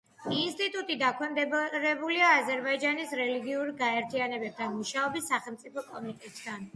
ინსტიტუტი დაქვემდებარებულია აზერბაიჯანის რელიგიურ გაერთიანებებთან მუშაობის სახელმწიფო კომიტეტთან.